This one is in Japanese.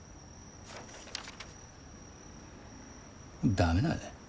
駄目だね。